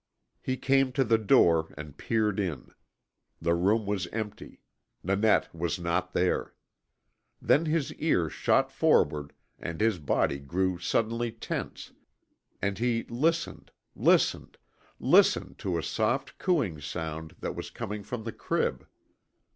He came to the door, and peered in. The room was empty. Nanette was not there. Then his ears shot forward and his body grew suddenly tense, and he listened, listened, LISTENED to a soft, cooing sound that was coming from the crib.